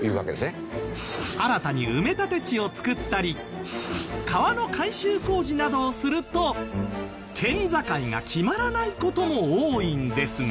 新たに埋め立て地を造ったり川の改修工事などをすると県境が決まらない事も多いんですが。